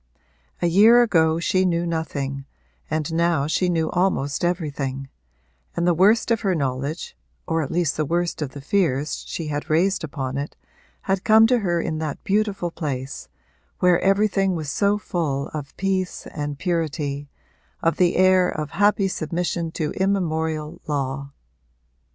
A year ago she knew nothing, and now she knew almost everything; and the worst of her knowledge (or at least the worst of the fears she had raised upon it) had come to her in that beautiful place, where everything was so full of peace and purity, of the air of happy submission to immemorial law.